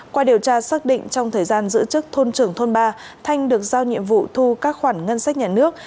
qua điều tra xác định trong thời gian giữ chức thôn trưởng thôn ba thanh được giao nhiệm vụ thu các khoản ngân sách nhà nước